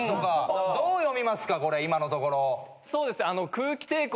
今のところ。